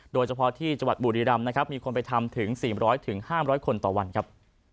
โดยเฉพาะที่จังหวัดบุรีรัมน์นะครับมีคนไปทำถึงสี่ร้อยถึงห้ามร้อยคนต่อวันครับ